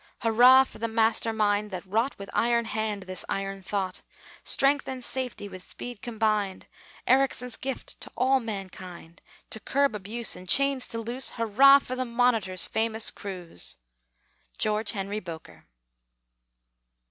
Hurrah for the master mind that wrought, With iron hand, this iron thought! Strength and safety with speed combined, Ericsson's gift to all mankind; To curb abuse, and chains to loose, Hurrah for the Monitor's famous cruise! GEORGE HENRY BOKER.